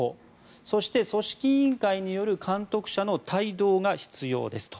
そして組織委員会による監督者の帯同が必要ですと。